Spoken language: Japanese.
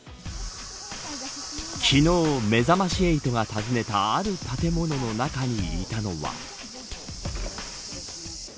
昨日、めざまし８が訪ねたある建物の中にいたのは。